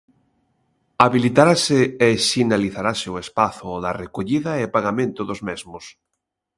Habilitarase e sinalizarase o espazo da recollida e pagamento dos mesmos.